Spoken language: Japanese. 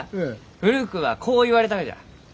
古くはこう言われたがじゃ。